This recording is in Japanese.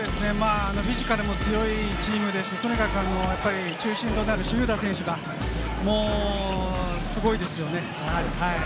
フィジカルも強いチームですし、とにかく中心となるシュルーダー選手がすごいですよね。